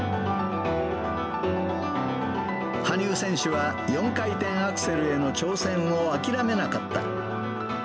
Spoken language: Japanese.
羽生選手は４回転アクセルへの挑戦を諦めなかった。